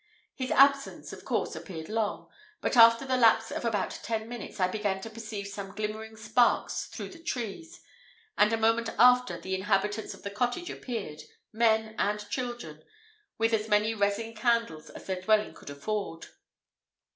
His absence, of course, appeared long; but after the lapse of about ten minutes I began to perceive some glimmering sparks through the trees, and a moment after the inhabitants of the cottage appeared, men and children, with as many resin candles as their dwelling could afford.